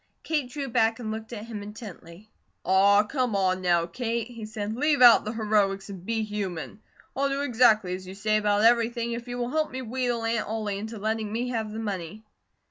Kate drew back and looked at him intently. "Aw, come on now, Kate," he said. "Leave out the heroics and be human. I'll do exactly as you say about everything if you will help me wheedle Aunt Ollie into letting me have the money."